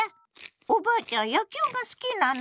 「おばあちゃん野球が好きなの？」